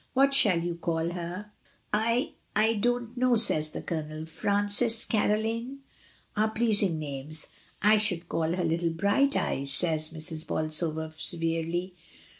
What shall you call her?" "I — I don't know," says the Colonel; "Frances, Caroline, are pleasing names." "I should call her little bright eyes," says Mrs. Bolsover severely.